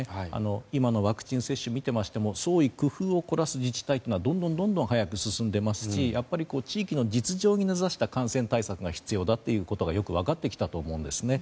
今のワクチン接種を見てましても創意工夫を凝らす自治体はどんどん早く進んでいますし地域の実情に根差した感染対策が必要だということがよく分かってきたと思うんです。